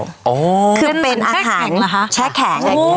อ๋อเป็นแช่แข็งเหรอคะคือเป็นอาหารแช่แข็ง